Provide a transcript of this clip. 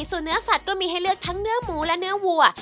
ส่วนเนื้อสัตว์ก็มีให้เลือกทั้งเนื้อหมูและเนื้อวัว